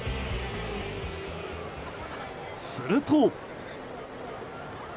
すると。